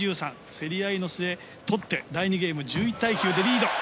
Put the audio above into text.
競り合いの末、取って第２ゲーム、リード。